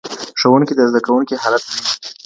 ښوونکی د زده کوونکي حالت ویني.